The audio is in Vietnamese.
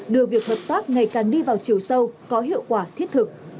đưa việc hợp tác ngày càng đi vào chiều sâu có hiệu quả thiết thực